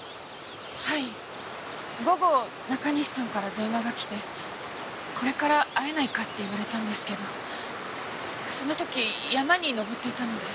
はい午後中西さんから電話がきてこれから会えないか？って言われたんですけどそのとき山に登っていたので。